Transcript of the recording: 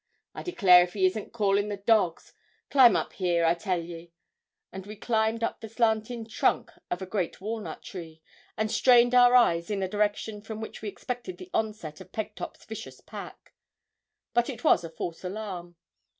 'I declare if he isn't callin' the dogs! Climb up here, I tell ye,' and we climbed up the slanting trunk of a great walnut tree, and strained our eyes in the direction from which we expected the onset of Pegtop's vicious pack. But it was a false alarm.